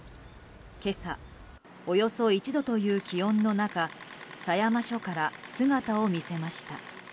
今朝、およそ１度という気温の中狭山署から姿を見せました。